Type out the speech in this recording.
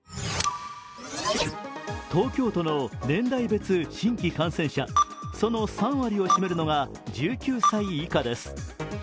東京都の年代別新規感染者、その３割を占めるのが１９歳以下です